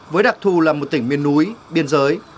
với đặc thù là một tỉnh miền núi biên giới